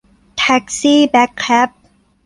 แท็กซี่แบล็คแค็บ